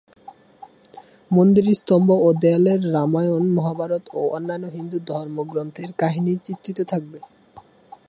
মন্দিরের স্তম্ভ ও দেওয়ালে রামায়ণ, মহাভারত ও অন্যান্য হিন্দু ধর্মগ্রন্থের কাহিনি চিত্রিত থাকবে।